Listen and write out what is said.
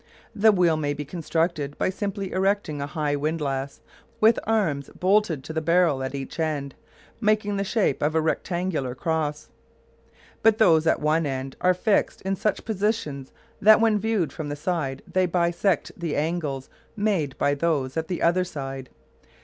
The wheel may be constructed by simply erecting a high windlass with arms bolted to the barrel at each end, making the shape of a rectangular cross. But those at one end are fixed in such positions that when viewed from the side they bisect the angles made by those at the other side.